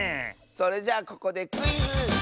それじゃここでクイズ！